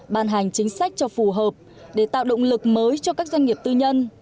ban hành chính sách cho phù hợp để tạo động lực mới cho các doanh nghiệp tư nhân